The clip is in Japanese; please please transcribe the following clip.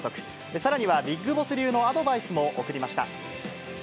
さらにはビッグボス流のアドバイスも送りました。